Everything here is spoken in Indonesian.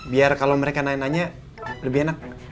biar kalau mereka nanya nanya lebih enak